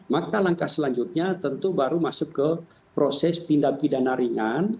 maka langkah selanjutnya tentu baru masuk ke proses tindak pidana ringan